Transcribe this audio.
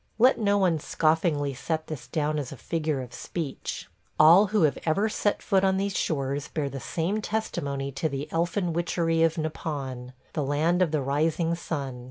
... Let no one scoffingly set this down as a figure of speech. All who have every set foot on these shores bear the same testimony to the elfin witchery of Nippon – the land of the rising sun.